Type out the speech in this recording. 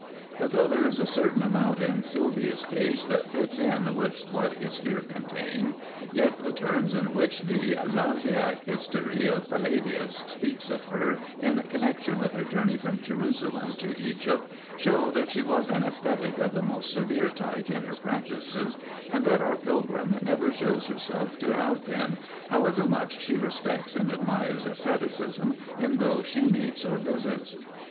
But though there is a certain amount in Silvia's case that fits in with what is here contained, yet the terms in which the Lausiac History of Palladius 2 speaks of her in connexion with her journey from Jerusalem to Egypt show that she was an ascetic of the most severe type in her practices, and that our pilgrim never shows herself to have been, however much she respects and admires asceticism in those she meets or visits.